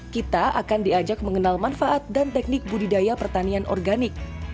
kita akan diajak mengenal manfaat dan teknik budidaya pertanian organik